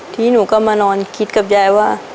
ที่หนูก็มานอนคิดกับยายว่า